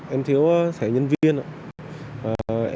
em thiếu sẻ nhân viên ạ